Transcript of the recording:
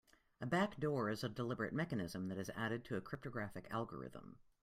A backdoor is a deliberate mechanism that is added to a cryptographic algorithm.